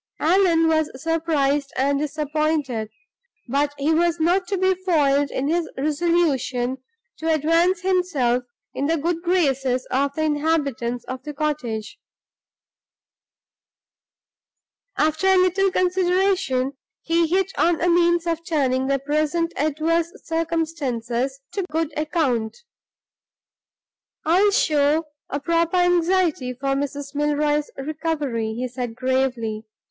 Allan was surprised and disappointed; but he was not to be foiled in his resolution to advance himself in the good graces of the inhabitants of the cottage. After a little consideration he hit on a means of turning the present adverse circumstances to good account. "I'll show a proper anxiety for Mrs. Milroy's recovery," he said, gravely.